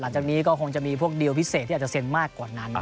หลังจากนี้ก็คงจะมีพวกเดียวพิเศษที่อาจจะเซ็นมากกว่านั้น